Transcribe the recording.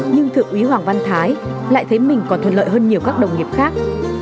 nhưng thượng úy hoàng văn thái lại thấy mình còn thuận lợi hơn nhiều các đồng nghiệp khác